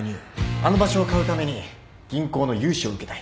あの場所を買うために銀行の融資を受けたい